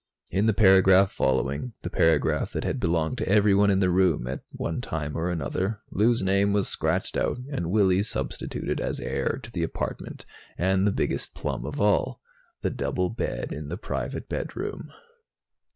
In the paragraph following, the paragraph that had belonged to everyone in the room at one time or another, Lou's name was scratched out and Willy's substituted as heir to the apartment and, the biggest plum of all, the double bed in the private bedroom.